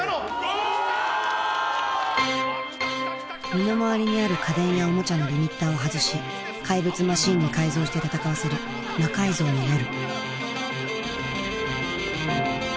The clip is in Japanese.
身の回りにある家電やおもちゃのリミッターを外し怪物マシンに改造して戦わせる「魔改造の夜」。